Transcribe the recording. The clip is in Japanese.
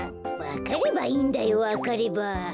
わかればいいんだよわかれば。